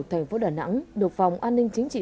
thành phố đà nẵng được phòng an ninh chính trị